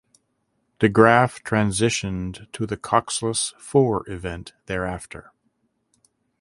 De Graaf transitioned to the coxless four event thereafter.